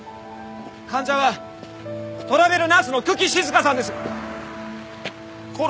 患者はトラベルナースの九鬼静さんです。